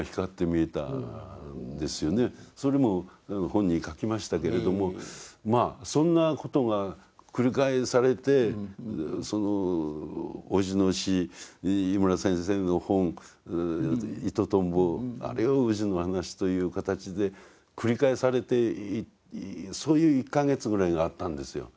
それも本に書きましたけれどもまあそんなことが繰り返されておじの死井村先生の本イトトンボあるいはウジの話という形で繰り返されてそういう１か月ぐらいがあったんですよ。